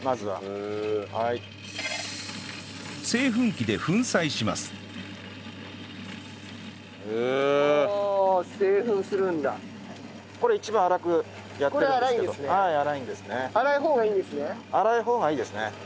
はい粗いですね。